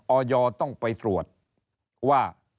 ออยต้องไปตรวจว่า